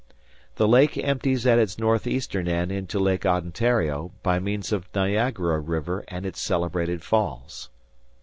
The lake empties at its northeastern end into Lake Ontario by means of Niagara River and its celebrated falls.